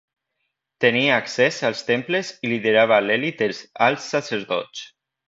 Tenia accés als temples i liderava l'elit dels alts sacerdots.